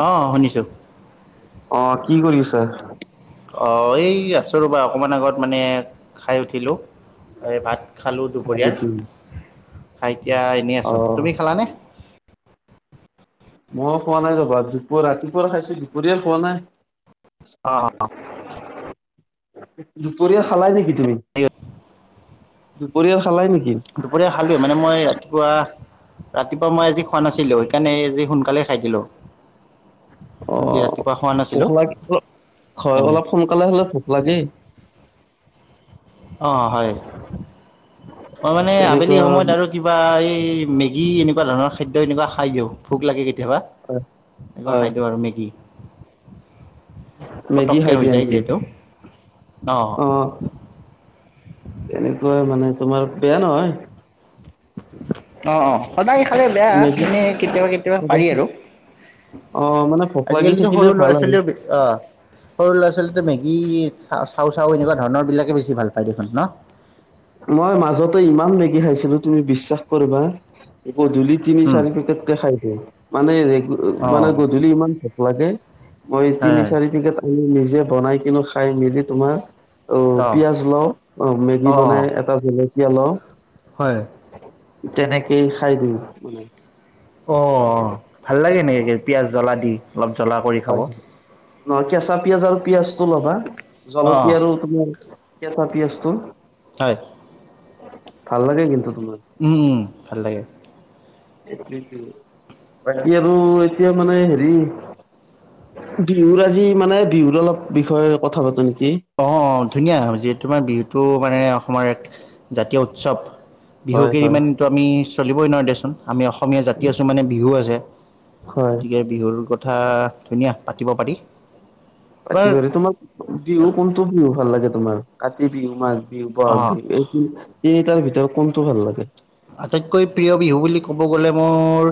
অ' শুনিছোঁ অ' কি কৰি আছা? অ', এই আছো ৰ'বা অকমান আগত মানে খাই উঠিলো। এই ভাত খালো হয় দুপৰীয়া নেকি? খাই এতিয়া এনেই অ আছো, তুমি খালানে? মই খোৱা নাই ৰ'বা দুপৰ ৰাতিপুৱা খাইছো দুপৰীয়া খোৱা নাই। অ', অ'। দুপৰীয়া খালাই নেকি তুমি? দুপৰীয়াৰ খালাই নেকি? দুপৰীয়া খালোয়ে মানে মই ৰাতিপুৱা ৰাতিপুৱা মই আজি খোৱা নাছিলো সেইকাৰণে আজি সোনকালে খাই দিলো। অ', খোৱা ভোক নাছিলোঁ লাগ হয় সেইকাৰণে অলপ সোনকালে হ'লে ভোক লাগেই। অ', হয়। মই মানে আবেলি তেনেকুৱা সময়ত আৰু কিবা এই মেগী এনেকুৱা ধৰণৰ খাদ্য এনেকুৱা খাই দিওঁ ভোক লাগে কেতিয়াবা। এনেকুৱা হয় খাই দিওঁ আৰু মেগী। মেগী পতককে খাই হৈ দিয়া যায় নেকি? যিহেতু অ'। অ', তেনেকুৱা মানে তোমাৰ বেয়া নহয়। অ', অ', সদায় খালে বেয়া মেগী এনেই কেতিয়াবা কেতিয়াবা পাৰি আৰু। অ মানে ভোক লাগি আজিকালিতো থাকিলে সৰু ভাল ল'ৰা আৰু ছোৱালীও অ'। সৰু ল'ৰা ছোৱালীটো মেগী চ-চাউ চাউ এনেকুৱা ধৰণৰ বিলাকে বেছি ভাল পায় দেখোন ন! মই মাজতে ইমান মেগী খাইছিলো তুমি বিশ্বাস কৰিবা। গধূলিত তিনি উম, চাৰি পেকেটকে খাই দিওঁ, মানে ৰে মানে অ', গধূলি ইমান ভোক লাগে। মই হয় তিনি হয়, চাৰি পেকেট আমি নিজে বনাই কিনে খাই মেলি তোমাৰ অ', পিয়াজ লওঁ অ' মেগী বনাই এটা জলকীয়া লওঁ। হয়। তেনেকেই খাই দিওঁ। অ', ভাল লাগে এনেকে পিয়াজ জ্বলা দি। অলপ জ্বলা কৰি। খাব। হয়, অ', নহয় কেঁচা পিয়াজ আৰু পিয়াজটো ল'বা অ', জলকীয়া আৰু তোমাৰ কেচা পিয়াজটো। হয়। ভাল লাগে কিন্তু তোমাৰ। উম, উম, ভাল লাগে। বাকী আৰু এতিয়া মানে হেৰি বিহুৰ আজি মানে বিহুৰ অলপ বিষয়ে কথা পাতো নেকি? অ', অ', ধুনীয়া যিহেতু আমাৰ বিহুটো মানে অসমৰ এক জাতীয় উৎসৱ। হয় বিহুক এৰি হয়। মানেটো আমি চলিবই নোৱাৰোঁ দেচোন। আমি অসমীয়া জাতি আছোঁ মানে বিহু আছে। হয়। গতিকে বিহুৰ কথা ধুনীয়া পাতিব পাৰি। তোমাৰ টো বিহু ভাল লাগে তোমাৰ কাতি বিহু, মাঘ বিহু, বহাগ অঁ বিহু এই তিনি এই কেইটাৰ ভিতৰত কোনটো ভাল লাগে? আটাইতকৈ প্ৰিয় বিহু বুলি ক'ব গ'লে মোৰ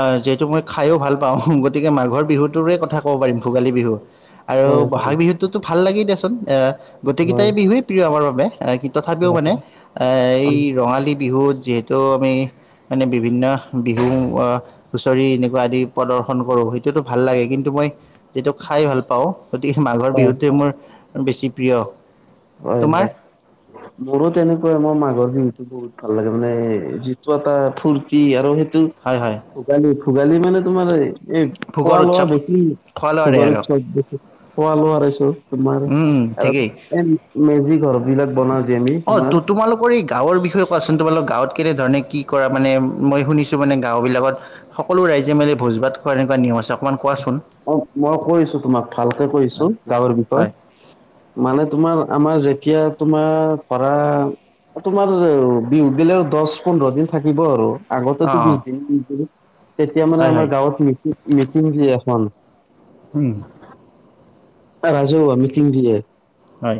আহ যিহেতু মই খায়ো ভাল পাওঁ গতিকে মাঘৰ বিহুটোৰে কথা ক'ব পাৰিম ভোগালী বিহু। আৰু হয় হয় বহাগ বিহুটোতো ভাল লাগেই দেচোন। আহ মই গোটকেইটাই বিহুৱেই প্ৰিয় আমাৰ বাবে। এ কিন্তু তথাপিও মানে উম এ এই হয় ৰঙালী বিহুত যিহেতু আমি মানে বিভিন্ন বিহুৰ হুঁচৰি এনেকুৱা আদি প্ৰদৰ্শন কৰোঁ সেইটোতো ভাল লাগে। কিন্তু মই যিটো খাই ভাল পাওঁ। গতিকে, মাঘৰ হয় বিহুটোৱে মোৰ বেছি প্ৰিয়। হয়, হয়। তোমাৰ মোৰো তেনেকুৱাই। মোৰ মাঘৰ বিহুতো বহুত ভাল লাগে মানে, যিটো এটা ফূৰ্তি আৰু সেইটো হয়, হয়। ভোগালী, ভোগালী মানে তোমাৰ এই ভোগৰ খোৱা-লোৱা উৎসৱ বেছি খোৱা লোৱাৰে ভোগৰ আৰু উৎসৱ এইটো খোৱা-লোৱা তাৰপিছত তোমাৰ উম উম আৰু এনে মেজি ঘৰত অঁ, তো তোমালোক পৰি গাঁৱৰ বিষয়ে কোৱাচোন? তোমালোক গাঁৱত কেনেধৰণে কি কৰা? মানে মই শুনিছিলোঁ মানে, গাঁও বিলাকত সকলো ৰাইজে মিলি ভোজ ভাত খোৱা এনেকোৱা নিয়ম আছে অকণমান কোৱাচোন? অঁ মই কৈ দিছোঁ তোমাক ভালকে কৈ দিছোঁ গাঁৱৰ বিষয়ে। হয় মানে, তোমাৰ, আমাৰ যেতিয়া তোমাৰ ধৰা তোমাৰ বিহু গেলেও দশ, পোন্ধৰ দিন থাকিব আৰু। অ আগতেটো বিশ দিন অ তেতিয়া মানে হয় হয় আমাৰ গাঁৱত মিটি মিটিং দি আছোঁ আমি। উম। এ ৰাজহুৱা মিটিং দিয়ে। হয়।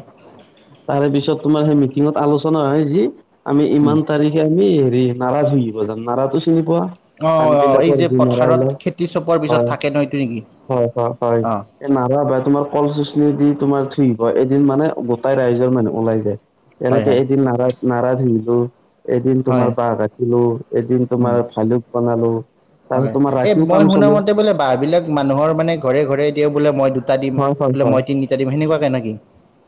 তাৰেপিছত তোমাৰ সেই মিটিঙত আলোচনা হয় যি আমি উম ইমান তাৰিখ আমি হেৰি নাৰা ঝুলিব জাম নাৰাটো চিনি পোৱা? অ খামটি অ এই বিলাকৰ যে বিমাৰাও পথাৰত যে খেতি চপোৱাৰ পিছত হয়, থাকে ন এইটো নেকি হয়, হয় হয়। অ নাৰা তোমাৰ কল চচনি দি তোমাৰ ঠিক হয়। এদিন মানে, গোটাই ৰাইজৰ মানুহ ওলাই যায়। হয় তেনেকে হয় এদিন নাৰাই, নাৰাই ঘুৰি গ'ল। এদিন হয় তোমাৰ বাঁহ কাটিলো, এদিন উম তোমাৰ ভালুক বনালো। তাৰপিছত হয়, তোমাৰ এই ৰাতিও মই কাম শুনা চলে মতে, বোলে বাঁহ বিলাক মানুহৰ মানে ঘৰে ঘৰে দিয়ক বোলে মই দুটা দিম, হয় বোলে মই তিনিটা দিম সেনেকুৱাকে নাকি?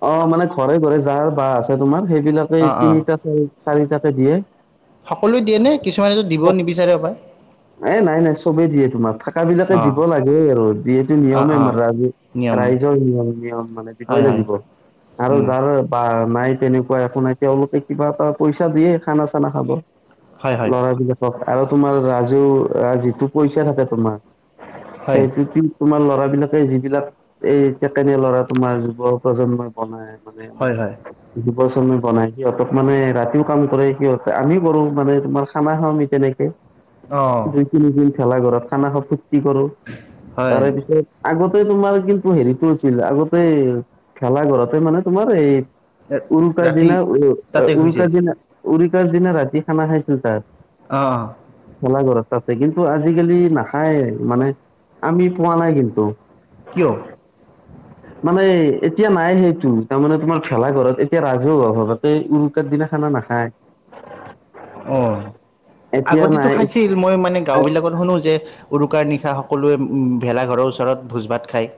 অঁ, মানে ঘৰে ঘৰে যাৰ বাঁহ আছে তোমাৰ সেইবিলাকে অ অ তিনিটাকে, চাৰিটাকে দিয়ে। সকলোৱে দিয়ে নে? কিছুমানেটো দিব নিবিচাৰে হ। এ নাই নাই চবেই দিয়ে তোমাৰ। থাকা বিলাকে অ', দিব লাগে আৰু। যিহেতু অ', নিয়মে অ', আমাৰ ৰাজ নিয়ম ৰাইজৰ নিয়ম, নিয়ম মানে হয় দিবই হয় লাগিব। আৰু উম, যাৰে বা নাই তেনেকোৱা একো নাই তেওঁলোকে কিবা এটা পইচা দিয়ে খানা-চানা খাব। হয় হয় ল'ৰাবিলাকক আৰু তোমাৰ ৰাজ- আ যিটো পইচা থাকে তোমাৰ। হয় সেইটো কি তোমাৰ ল'ৰাবিলাকে যিবিলাক এই ছেকেণ্ড ইয়েৰ ল'ৰা তোমাৰ যুৱ প্ৰজন্মই বনাই মানে হয় হয় আমাৰ দুবছৰ মান বনাই সিহঁতক মানে ৰাতিও কাম কৰে সিহঁততে। আমিও কৰোঁ মানে তোমাৰ খানা খাওঁ আমি তেনেকে। অ', দুই তিনিদিন ভেলা ঘৰত খানা খাওঁ ফূৰ্তি কৰোঁ হয় তাৰেপিছত আগতে তোমাৰ কিন্তু হেৰিটো হৈছিল আগতে ভেলা ঘৰতে মানে তোমাৰ এই উৰুকাৰ ৰাতি দিনা উ তাতে শুইছিল উৰুকাৰ দিনা, উৰুকাৰ দিনা ৰাতি খানা খাইছিল তাত। অঁ, অঁ। ভেলা ঘৰত তাতে কিন্তু আজিকালি নাখাই মানে আমি পোৱা নাই কিন্তু। কিয়? মানে এতিয়া নাই সেইটো তাৰমানে তোমাৰ ভেলা ঘৰত এতিয়া ৰাজহুৱা ভাতে উৰুকাৰ দিনা খানা নাখায়। [inaudible] অহ্, এতিয়া আগতেটো নাই খাইছিল। মই মানে গাঁওবিলাকত শুনো যে উৰুকাৰ নিশা সকলোৱে ভেলাঘৰৰ ওচৰত ভোজ ভাত খায়।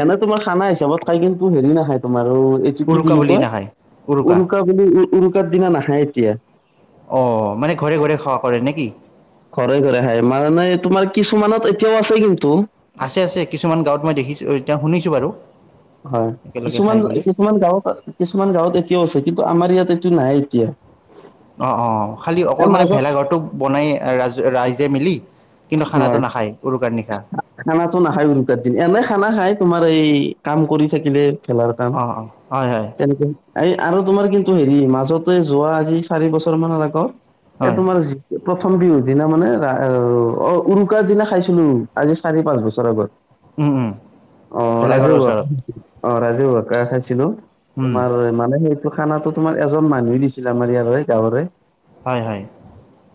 এনে তোমাৰ খানা হিচাপত খাই কিন্তু হেৰি নাখায় তোমাৰো- কি বুলি কয় উৰুকা বুলি উ উৰুকাৰ দিনা নাখায় এতিয়া। অ' মানে ঘৰে ঘৰে খোৱা কৰে নে কি? ঘৰে ঘৰে খাই মানে তোমাৰ কিছুমানত এতিয়াও আছে কিন্তু। আছে আছে, কিছুমান গাঁৱত মই দেখিছো এতিয়া শুনিছো বাৰু। হয়, একেলগে কিছুমান খাই বুলি কিছুমান গাঁৱত কিছুমান গাঁৱত এতিয়াও আছে কিন্তু আমাৰ ইয়াত এইটো নাই এতিয়া। অঁ অঁ খালি অকল এই মানে মাজত ভেলাঘৰটো বনাই ৰাজে ৰাইজে মিলি। কিন্তু খানাটো হয়। নাখায় উৰুকাৰ নিশা খানাটো নাখায় উৰুকাৰ দিন এনে খানা খায় তোমাৰ এই কাম কৰি থাকিলে। খেলাৰতাম অঁ অঁ হয় হয় তেনেকেই। এই আৰু তোমাৰ কিন্তু হেৰি মাজতে যোৱা আজি চাৰি বছৰ মানৰ আগত। এ হয় তোমাৰ- প্ৰথম দি দিনা মানে ৰা অ- অঁ উৰুকাৰ দিনা খাইছিলো আজি চাৰি পাঁচ বছৰ আগত। উম উম অঁ ভেলাঘৰৰ ৰাজু ওচৰত বত অঁ ৰাজু বত খানা খাইছিলো। উম তোমাৰ মানে সেইটো খানাটো তোমাৰ এজন মানুহেই দিছিল আমাৰ ইয়াৰ গাঁৱৰে। হয় হয়।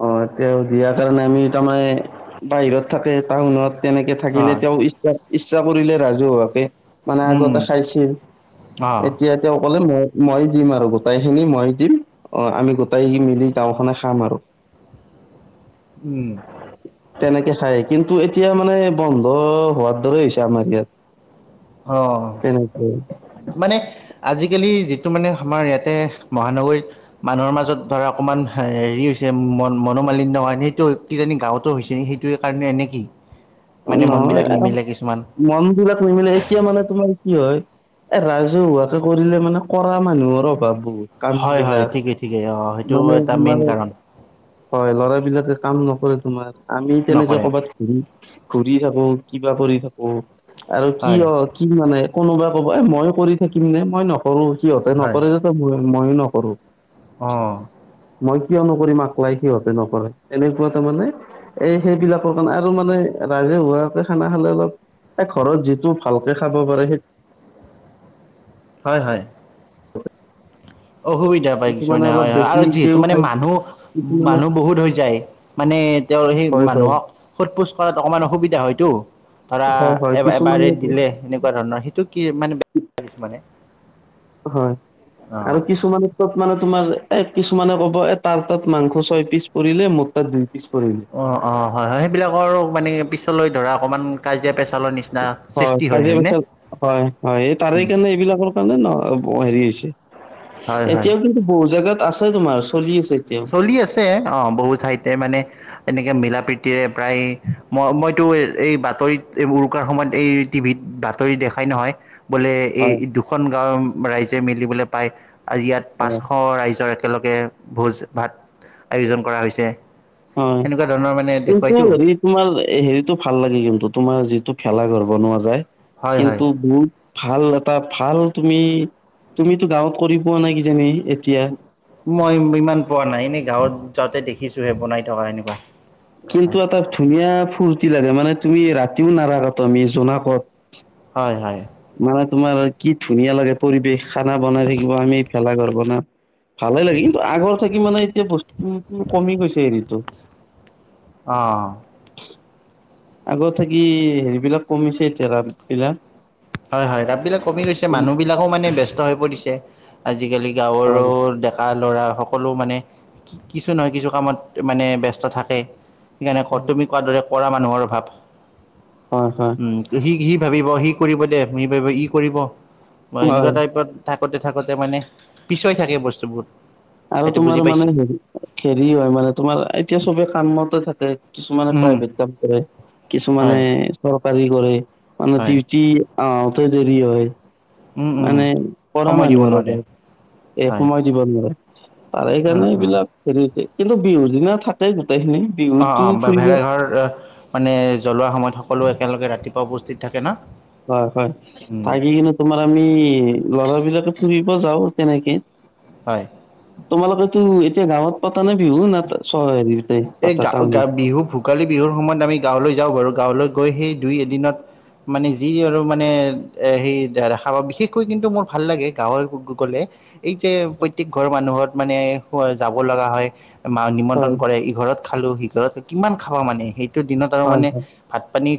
অঁ তেওঁ দিয়াৰ কাৰণে আমি তামানে বাহিৰত থাকে টাউনত। তেনেকে থাকিলে অঁ তেওঁ ইচ্ছা ইচ্ছা কৰিলে ৰাজহুৱাকে- মানে আগতে খাইছিল অঁ এতিয়া- তেওঁ ক'লে মই মই দিম আৰু গোটেই খিনি মই দিম। অঁ আমি গোটেই মিলি গাওখনে খাম আৰু। উম' তেনেকে খায় কিন্তু এতিয়া মানে বন্ধ হোৱাৰ দৰে হৈছে আমাৰ ইয়াত। অঁ' কেনেকেই। মানে আজিকালি যিটো মানে আমাৰ ইয়াতে মহানগৰীত- মানুহৰ মাজত ধৰা অকমান হেৰি হৈছে মন মনোমালিন্য হয় সেইটো- কিজানি গাঁৱতো হৈছে সেইটোৱে কাৰণে নে কি? মানে নহয় মনবিলাক আৰু নিমিলে কিছুমান মন বিলাক নিমিলে এতিয়া মানে তোমাৰ কি হয়? এ ৰাজহুৱাকে কৰিলে মানে কৰা মানুহৰ অভাৱ বহুত কাম বিলাক। ঠিকে অ সেইটো মানে এটা তোমাৰ মেইন কাৰণ। হয়, লৰা বিলাকে কাম নকৰে তোমাৰ আমি তেনেকে নকৰে ক'বাত- ঘূৰি থাকো কিবা কৰি থাকো আৰু কি হয় হ- কি মানে কোনোবা ক'বা মই কৰি থাকিম নে মই নকৰো সিহতে হয় নকৰে যে- ত মইয়ো নকৰো। অঁ' মই কিয় নকৰিম আপ্লাই সিহঁতে নকৰে এনেকুৱা এটা মানে- এই সেইবিলাকৰ কাৰণে আৰু মানে ৰাইজে হুৱাকে খানা খালে অলপ- এ ঘৰত যিটো ভালকে খাব পাৰে সেই- হয় হয়। [unintelligible] অসুবিধা পায় কিছুমানে অলপ হয় হয় আৰু যিহেতু বেছিকেও মানে খায় মানুহ কিছুমানে মানুহ বহুত হৈ যায়। মানে তেওঁৰ সেই হয় হয় মানুহক সোধ পোছ কৰাত অকণমান অসুবিধা হয়তো। ধৰা, হয় হয় এ এবাৰে কিছুমানে দিলে এনেকুৱা ধৰণৰ সেইটো কি মানে মানে। হয় আৰু কিছুমান ত মানে তোমাৰ এ কিছুমানে ক'ব এ তাৰ তাত মাংস ছয় পিচ পৰিলে মোৰ তাত দুই পিচ পৰিলে অ অ হয় হয় সেইবিলাকৰ মানে পিছলৈ ধৰা অকমান কাজিয়া পেচালৰ নিচনা নিচিনা সৃষ্টি হয় কাজিয়া হয় নে পেচাল হয় হয় এই তাৰে কাৰণে এইবিলাকৰ কাৰণে ন হেৰি হৈছে হয় হয় এতিয়াও কিন্তু বহুত জেগাত আছে তোমাৰ চলি আছে এতিয়া চলি আছে অ বহুত ঠাইতে মানে এনেকে মিলা প্ৰিতীৰে প্ৰায় মই টো এই বাতৰিত উৰুকাৰ সময়ত এই টিভিত বাতৰি দেখাই নহয় বোলে এই হয় দুখন গাঁৱৰ ৰাইজে মিলিবলে পায় আজি ইয়াত পাঁচশ হয় ৰাইজৰ একেলগে ভোজ ভাত আয়োজন কৰা হৈছে হয় সেনেকুৱা ধৰণৰ মানে সিতে দেখুৱাইতো হেৰিত তোমাৰ হেৰিটো ভাল লাগে কিন্তু তোমাৰ যিটো ভেলাঘৰ বনোৱা যায় হয় হয় কিন্তু ভাল এটা ভাল তুমি তুমিতো গাঁৱত কৰি পোৱা নাই কিজানি এতিয়া মই ইমান পোৱা নাই এনেই গাঁৱত যাওঁতে দেখিছোহে বনাই থকা এনেকুৱা কিন্তু হয় এটা ধুনীয়া ফূুৰ্তি লাগে মানে তুমি ৰাতিও নাৰাখা তো আমি জোনাকত হয় হয় মানে তোমাৰ কি ধুনীয়া লাগে পৰিৱেশ খানা বনাই থাকিব আমি ভেলাঘৰ বনাম ভালে লাগিল কিন্তু আগৰ থাকি মানে এতিয়া বস্তুটো কমি গৈছে হেৰিটো অহ আগত থাকি হেৰিবিলাক কমিছে এতিয়া ৰাপ বিলাক হয় হয় ৰাপ বিলাক কমি গৈছে মানুহ বিলাকো মানে ব্যস্ত হৈ পৰিছে আজিকালি গাঁৱৰো হয় কা ল'ৰা সকলো মানে কিছু নহয় কিছু কামত মানে ব্যস্ত থাকে সেইকাৰণে তুমি কোৱাৰ দৰে কৰা মানুহৰ অভাৱ হয় হয় সি সি ভাবিব সি কৰিব দে ই ভাবিব ই কৰিব বা এনেকুৱা হয় টাইপত থাকোতে থাকোতে মানে পিছুৱাই থাকে বস্তুবোৰ আৰু সেইটো তোমাৰ বুজি মানে পাইছোঁ। হে হেৰি হয় মানে তোমাৰ এতিয়া চবে কামতে থাকে কিছুমানে উম প্ৰাইভেট জব কৰে কিছুমানে হয় চৰকাৰী কৰে মানে হয় ডিউটি আহোতে দেৰি হয় উম উম। মানে কৰা সময় দিব মানুহৰ নোৱাৰে অভাৱ হয় এসময়ত দিব নোৱাৰে তাৰেই কাৰণে অঁ অঁ। এইবিলাক হেৰি হৈছে কিন্তু বিহুৰ দিনা থাকেই গোটেই খিনি অ অ ভে ভেলাঘৰ মানে জ্বলোৱা সময়ত সকলো একেলগে ৰাতিপুৱা উপস্থিত থাকে ন হয় হয় উম থাকিকিনে তোমাৰ আমি লৰা বিলাকে ফুৰিব যাওঁ তেনেকে হয় তোমালোকেতো এতিয়া গাঁৱত পাতা নে বিহু না চহৰত এই গা গা বিহু ভোগালী বিহুৰ সময়ত আমি গাঁৱলৈ যাওঁ বাৰু গাঁৱলৈ গৈ সেই দুই এদিনত মানে যি আৰু মানে এ সেই দেখা পাবি বিশেষকৈ কিন্তু মোৰ ভাল লাগে গাঁৱৰ লোকসকলে এই যে হয় প্ৰত্যেক ঘৰৰ মানুহত মানে যাব লগা হয় মা নিমন্ত্ৰণ হয় কৰে ইঘৰত খালো সিঘৰত কিমান খাবা মানে সেইটো দিনত আৰু হয় মানে ভাত পানী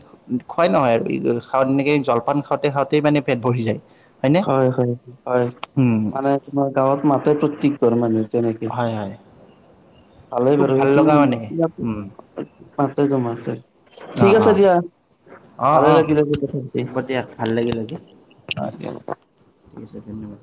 খোৱাই নহয় আৰু খাও তেনেকে জলপান খাওঁতে খাওঁতেই মানে পেট ভৰি যায় হয়নে হয় হয় হয় উম মানে তোমাৰ গাঁৱত মাতেতো প্ৰত্যেক ঘৰ মানুহে তেনেকে হয় হয় ভালেই খুব বাৰু ভাল সেইটো লগা মানে উম [unintelligible] অ ঠিক আছে অ দিয়া অ ভালেই অ লাগিলে কথা হ'ব দিয়া ভাল লাগিল আজি পাতি [unintelligible] ঠিক আছে ধন্যবাদ।